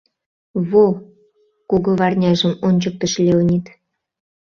— Во! — кугыварняжым ончыктыш Леонид.